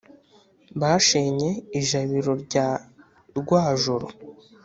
bashenye ijabiro rya rwajoro.